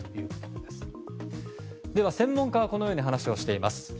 では、専門家はこのように話をしています。